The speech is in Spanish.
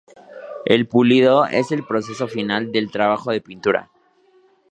El pulido es el proceso final del trabajo de pintura.